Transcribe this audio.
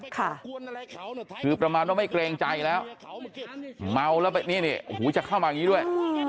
ค่ะคือประมาณว่าไม่เกรงใจแล้วเมาแล้วนี่โอ้โหจะเข้ามาอย่างนี้ด้วย